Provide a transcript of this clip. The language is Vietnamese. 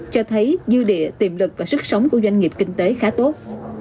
cho thấy dư địa tiềm lực và sức sống của doanh nghiệp kinh tế khá tốt